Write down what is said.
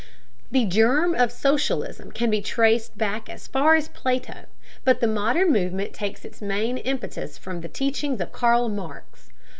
The germ of socialism can be traced back as far as Plato, but the modern movement takes its main impetus from the teachings of Karl Marx.